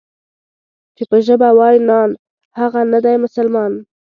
چې په ژبه وای نان، هغه نه دی مسلمان.